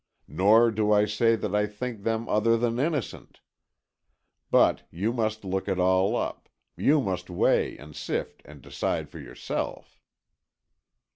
Nor do I say that I think them other than innocent. But you must look it all up, you must weigh and sift and decide for yourself."